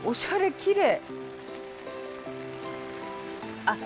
きれい。